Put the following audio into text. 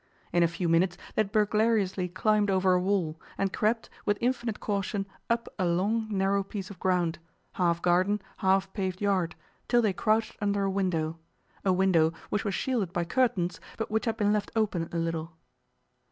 In a few minutes they had burglariously climbed over a wall, and crept, with infinite caution, up a long, narrow piece of ground half garden, half paved yard, till they crouched under a window a window which was shielded by curtains, but which had been left open a little.